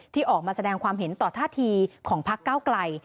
ที่ออกมาแสดงความเห็นต่อท่าทีของพักเก้าไกล